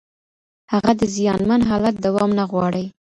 هغه د زیانمن حالت دوام نه غواړي.